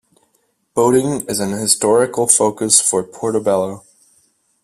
Boating is an historical focus for Portobello.